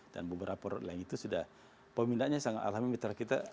dan beberapa orang lain itu sudah pemindahnya sangat alhamdulillah